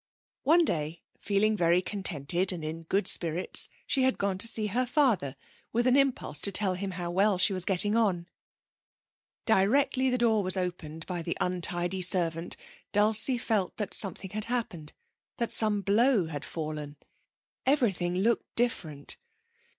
One day, feeling very contented and in good spirits, she had gone to see her father with an impulse to tell him how well she was getting on. Directly the door was opened by the untidy servant Dulcie felt that something had happened, that some blow had fallen. Everything looked different.